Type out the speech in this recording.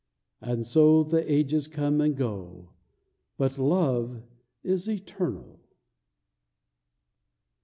And so the ages come and go, but love is eternal.